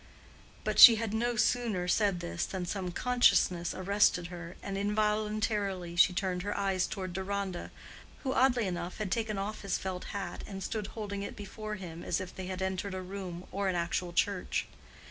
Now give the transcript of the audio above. But she had no sooner said this than some consciousness arrested her, and involuntarily she turned her eyes toward Deronda, who oddly enough had taken off his felt hat and stood holding it before him as if they had entered a room or an actual church.